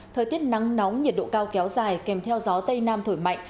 thời tiết nắng nóng nhiệt độ cao kéo dài kèm theo gió tây nam thổi mạnh